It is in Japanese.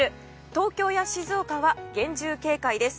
東京や静岡は厳重警戒です。